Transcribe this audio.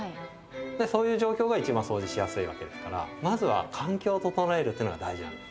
そういう状況が一番そうじしやすいわけですからまずは環境を整えるっていうのが大事なんです。